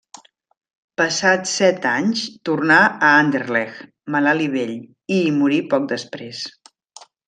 Passats set anys, tornà a Anderlecht, malalt i vell, i hi morí poc després.